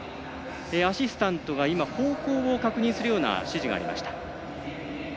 アシスタントが方向を確認するような指示がありました。